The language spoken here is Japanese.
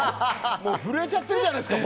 震えちゃってるじゃないですか。